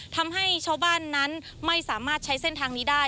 ทำให้ชาวบ้านนั้นไม่สามารถใช้เส้นทางนี้ได้